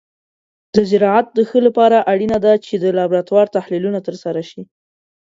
د زراعت د ښه لپاره اړینه ده چې د لابراتور تحلیلونه ترسره شي.